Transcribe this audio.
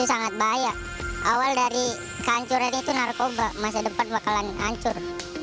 itu sangat bahaya awal dari kehancuran itu narkoba masa depan bakalan hancur